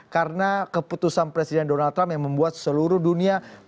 karena keputusan presiden donald trump yang membuat seluruh dunia